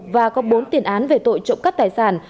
và có bốn tiền án về tội trộm cắp tài sản